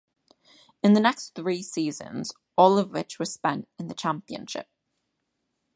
In the next three seasons, all of which were spent in the Championship.